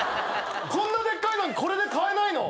こんなでっかいのにこれで買えないの？